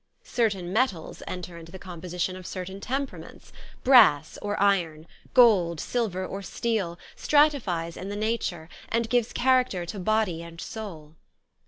Certain metals enter into the composition of certain temperaments : brass or iron, gold, silver, or steel, stratifies in the nature, and gives character to body and soul.